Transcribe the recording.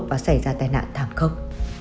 và xảy ra tai nạn thảm khốc